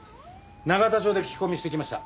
永田町で聞き込みしてきました。